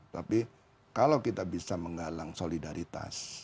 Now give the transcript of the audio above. tapi kalau kita bisa menggalang solidaritas